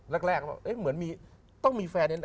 แรกเหมือนมีต้องมีแฟนเนี่ย